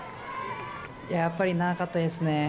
やっぱり長かったですね。